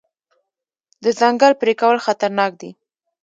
د ځنګل پرې کول خطرناک دي.